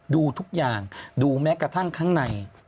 ดูทุกอย่างดูแม้กระทั่งข้างใน